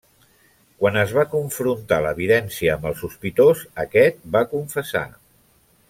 Quan es va confrontar l'evidència amb el sospitós, aquest va confessar.